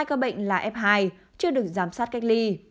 hai ca bệnh là f hai chưa được giám sát cách ly